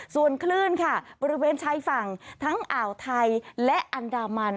ส่วนคลื่นค่ะบริเวณชายฝั่งทั้งอ่าวไทยและอันดามัน